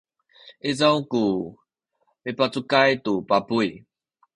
izaw ku mipacukay tu pabuy